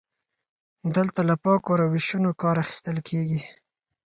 دلته له پاکو روشونو کار اخیستل کیږي.